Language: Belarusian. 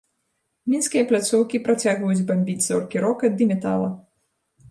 Мінскія пляцоўкі працягваюць бамбіць зоркі рока ды метала.